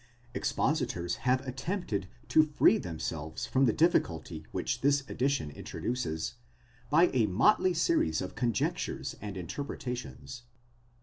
Expositors have attempted to free themselves from the difficulty which this addition introduces, by a motley series of conjectures and interpretations.